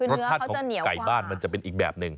รสชาติของไก่บ้านมันจะเป็นอีกแบบหนึ่ง